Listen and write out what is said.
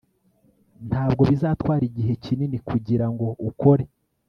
ntabwo bizatwara igihe kinini kugirango ukore